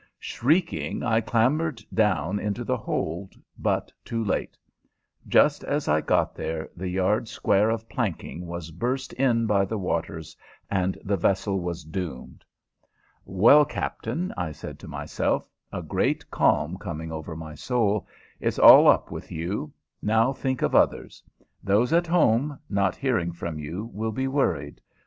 Shrieking, I clambered down into the hold, but too late. Just as I got there the yard square of planking was burst in by the waters, and the vessel was doomed. "Well, captain," I said to myself, a great calm coming over my soul, "it's all up with you; now think of others. Those at home, not hearing from you, will be worried.